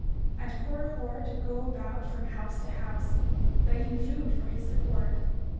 And Korihor did go about from house to house, begging food for his support.